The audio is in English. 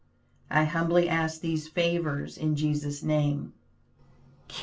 I humbly ask these favors in Jesus name.